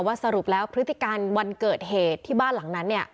สรุปแล้วพฤติการวันเกิดเหตุที่บ้านหลังนั้น